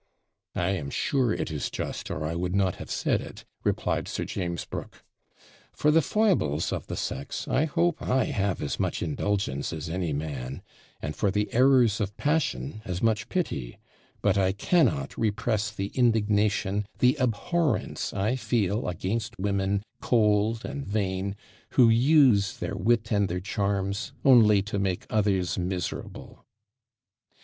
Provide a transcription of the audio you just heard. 'I am sure it is just, or I would not have said it,' replied Sir James Brooke. 'For the foibles of the sex, I hope, I have as much indulgence as any man, and for the errors of passion as much pity; but I cannot repress the indignation, the abhorrence I feel against women, cold and vain, who use their wit and their charms only to make others miserable.'